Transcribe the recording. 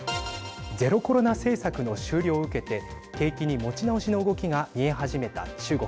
ゼロコロナ政策の終了を受けて景気に持ち直しの動きが見え始めた中国。